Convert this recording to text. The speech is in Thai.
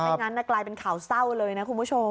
งั้นกลายเป็นข่าวเศร้าเลยนะคุณผู้ชม